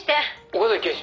「岡崎警視」